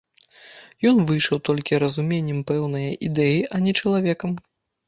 Ён выйшаў толькі разуменнем пэўнае ідэі, а не чалавекам.